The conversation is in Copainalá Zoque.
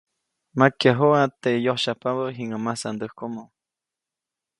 Makyajuʼa teʼ yosyajpabä jiŋäʼ masandäjkomo.